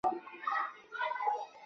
د انقباض حد معلومولو ازموینه ترسره کیږي